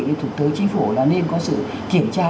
thì thủ tướng chính phủ là nên có sự kiểm tra